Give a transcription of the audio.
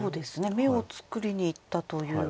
眼を作りにいったという。